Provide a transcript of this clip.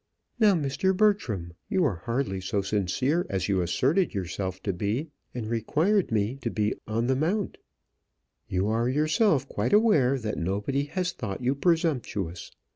"Now, Mr. Bertram, you are hardly so sincere as you asserted yourself to be, and required me to be on the mount. You are yourself quite aware that nobody has thought you presumptuous.